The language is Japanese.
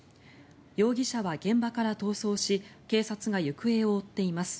容疑者は現場から逃走し警察が行方を追っています。